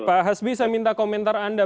pak hasbi saya minta komentar anda